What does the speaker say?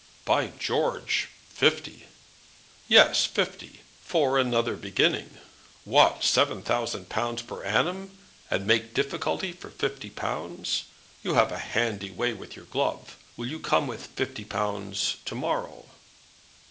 "By George fifty!" "Yes, fifty; for another beginning. What; seven thousands of pounds per annum, and make difficulty for fifty pounds! You have a handy way with your glove. Will you come with fifty pounds to morrow?"